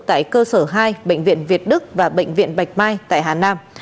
tại cơ sở hai bệnh viện việt đức và bệnh viện bạch mai tại hà nam